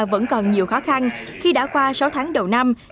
vẫn còn nhiều khó khăn khi đã qua sáu tháng đầu năm